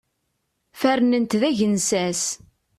Fernen-t d agensas.